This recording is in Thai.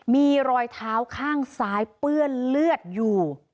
มีรอยเท้าข้างซ้ายเปื้อนเลือดอยู่